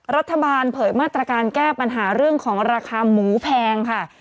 เผยมาตรการแก้ปัญหาเรื่องของราคาหมูแพงค่ะ